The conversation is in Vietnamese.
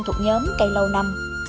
thuộc nhóm cây lâu năm